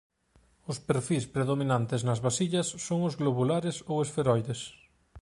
Os perfís predominantes nas vasillas son os globulares ou esferoides.